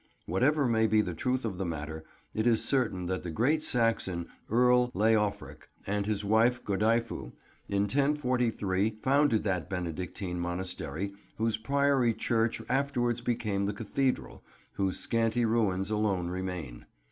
Whatever may be the truth of the matter, it is certain that the great Saxon Earl Leofric and his wife Godifu in 1043 founded that Benedictine Monastery whose Priory church afterwards became the Cathedral, whose scanty ruins alone remain.